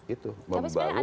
itu membangun pembentuk pemilih